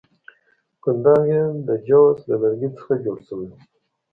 کنداغ یې د جوز له لرګي څخه جوړ شوی وو.